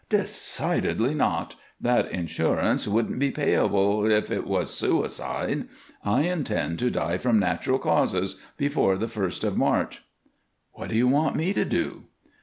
"Decidedly not. That insurance wouldn't be payable if it was suicide. I intend to die from natural causes before the first of March." "What do you want me to do?"